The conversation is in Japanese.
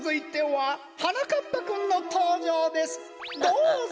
どうぞ！